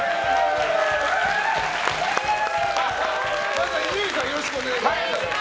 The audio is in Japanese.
まずは、伊集院さんお願いします。